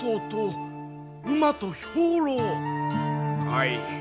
はい。